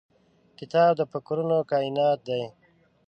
کتاب د فکرونو کائنات دی.